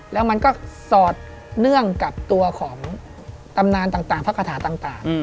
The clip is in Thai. แล้วมันก็สอดเนื่องกับตัวของตำนานต่างพระคาถาต่าง